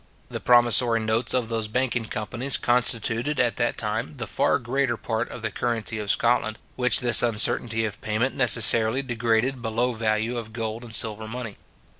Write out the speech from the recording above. The promissory notes of those banking companies constituted, at that time, the far greater part of the currency of Scotland, which this uncertainty of payment necessarily degraded below value of gold and silver money.